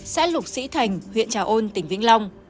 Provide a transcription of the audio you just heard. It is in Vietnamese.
xã lục sĩ thành huyện trà ôn tỉnh vĩnh long